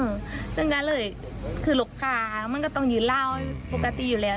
เอิ่มซึ่งกะเลยคือลูกขามันก็ต้องยืนร้าวที่ปกติอยู่แล้ว